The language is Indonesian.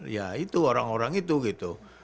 ya itu orang orang itu gitu